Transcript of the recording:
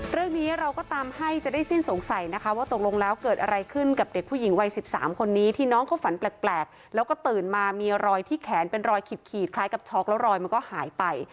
เรื่องนี้เราก็ตามให้จะได้สิ้นสงสัยนะคะว่าตกลงแล้วเกิดอะไรขึ้นกับเด็กผู้หญิงวัย๑๓คนนี้ที่น้องเขาฝันแปลกแล้วก็ตื่นมามีรอยที่แขนเป็นรอยขีดคล้ายกับช็อกแล้วรอยมันก็หายไป